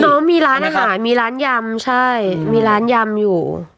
น้องมีร้านอาหารมีร้านยำใช่มีร้านยำอยู่